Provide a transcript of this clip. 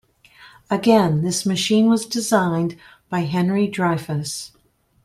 Again, this machine was designed by Henry Dreyfuss.